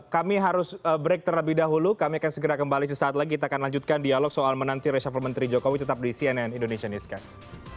kami harus break terlebih dahulu kami akan segera kembali sesaat lagi kita akan lanjutkan dialog soal menanti reshuffle menteri jokowi tetap di cnn indonesia newscast